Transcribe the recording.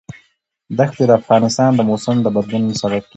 دښتې د افغانستان د موسم د بدلون سبب کېږي.